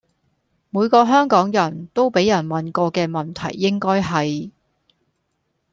每個香港人都畀人問過嘅問題應該係